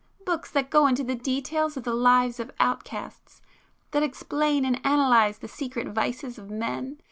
Books that go into the details of the lives of outcasts?—that explain and analyse the secret vices of men?